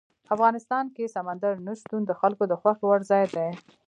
افغانستان کې سمندر نه شتون د خلکو د خوښې وړ ځای دی.